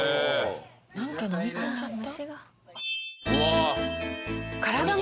なんかのみ込んじゃった？